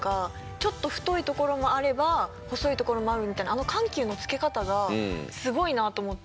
ちょっと太い所もあれば細い所もあるみたいなあの緩急のつけ方がすごいなと思って。